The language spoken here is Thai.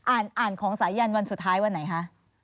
อ่านของสายันวันสุดท้ายวันไหนคะ